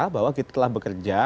bahwa kita telah bekerja